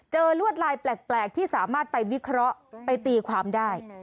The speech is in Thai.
ลวดลายแปลกที่สามารถไปวิเคราะห์ไปตีความได้